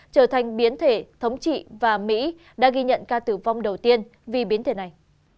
trở thành biến thể thống trị và mỹ đã ghi nhận ca tử vong đầu tiên vì biến thể này